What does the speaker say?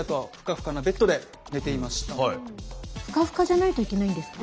ふかふかじゃないといけないんですか？